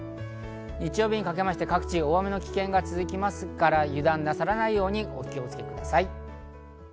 日曜日にかけて各地、大雨の危険が続きますから油断なさらないようにお気をつけください。